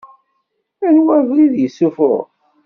Anwa abrid i yessuffuɣen?